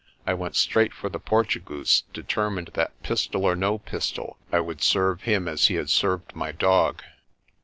I went straight for the Portugoose, determined that, pistol or no pistol, I would serve him as he had served my dog.